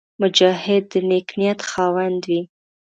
مجاهد د نېک نیت خاوند وي.